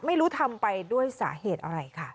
ไม่รู้ทำไปด้วยสาเหตุอะไรค่ะ